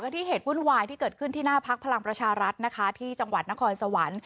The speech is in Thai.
ที่เหตุวุ่นวายที่เกิดขึ้นที่หน้าพักพลังประชารัฐนะคะที่จังหวัดนครสวรรค์